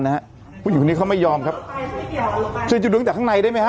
นะฮะผู้หญิงในนี้เขาไม่ยอมครับจะอยู่ด้วยหลงจากข้างในได้มั้ยฮะ